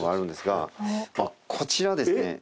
こちらですね。